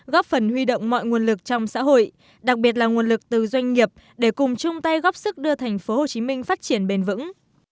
góp phần huy động mọi nguồn lực trong xã hội đặc biệt là nguồn lực từ doanh nghiệp để cùng chung tay góp sức đưa thành phố hồ chí minh phát triển bền vững